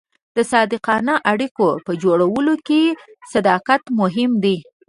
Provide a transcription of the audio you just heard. د صادقانه اړیکو په جوړولو کې صداقت مهم دی.